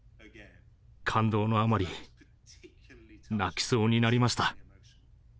感動のあまり泣きそうになりました。